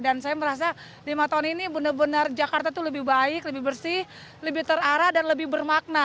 dan saya merasa lima tahun ini benar benar jakarta itu lebih baik lebih bersih lebih terarah dan lebih bermakna